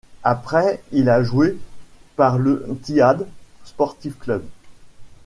Après, il a joué pour le Tihad Sportif Club.